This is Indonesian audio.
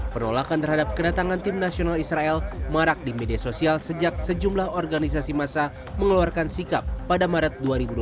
penolakan terhadap kedatangan tim nasional israel marak di media sosial sejak sejumlah organisasi masa mengeluarkan sikap pada maret dua ribu dua puluh